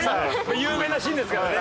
有名なシーンですからね。